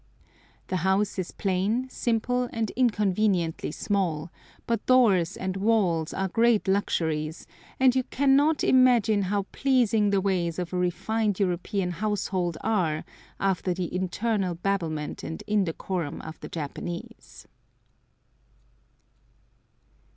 The house is plain, simple, and inconveniently small; but doors and walls are great luxuries, and you cannot imagine how pleasing the ways of a refined European household are after the eternal babblement and indecorum of the Japanese.